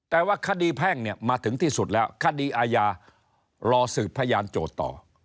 แต่ว่าคดีแพ่งเนี่ยมาถึงที่สุดแล้วคดีอาญารอสืบพยานโจทย์ต่อ